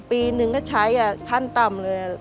ปีหนึ่งก็ใช้ขั้นต่ำเลย